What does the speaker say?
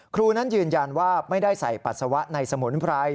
ครูนั้นยืนยันว่าไม่ได้ใส่ปัสสาวะในสมุนไพร